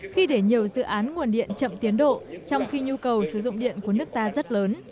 khi để nhiều dự án nguồn điện chậm tiến độ trong khi nhu cầu sử dụng điện của nước ta rất lớn